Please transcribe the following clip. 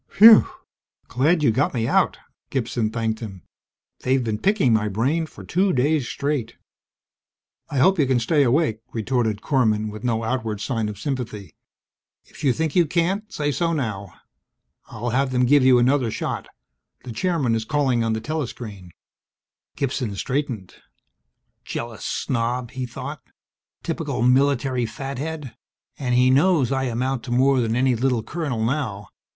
"Whew! Glad you got me out!" Gibson thanked him. "They've been picking my brain for two days straight!" "I hope you can stay awake," retorted Korman with no outward sign of sympathy. "If you think you can't, say so now. I'll have them give you another shot. The Chairman is calling on the telescreen." Gibson straightened. Jealous snob! he thought. _Typical military fathead, and he knows I amount to more than any little colonel now.